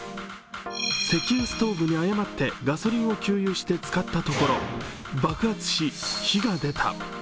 石油ストーブに誤ってガソリンを給油したところ、爆発し、火が出た。